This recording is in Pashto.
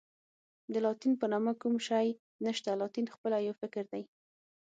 د لاتین په نامه کوم شی نشته، لاتین خپله یو فکر دی.